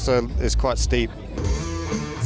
tapi itu juga cukup keras